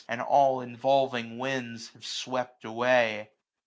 And all involving winds have swept away.